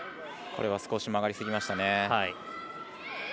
これは少し曲がりすぎましたね。